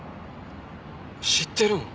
知ってるん？